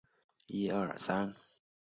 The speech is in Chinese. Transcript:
有一些做法也加入榛仁或干果。